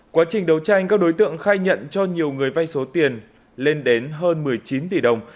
quá trình đấu tranh các đối tượng khai nhận cho nhiều người vay số tiền lên đến hơn một mươi chín tỷ đồng